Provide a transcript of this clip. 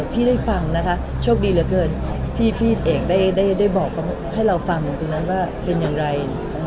พี่ได้ฟังนะคะโชคดีเหลือเกินที่พี่เอกได้บอกให้เราฟังอยู่ตรงนั้นว่าเป็นอย่างไร